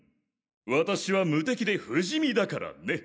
私は無敵で不死身だからね。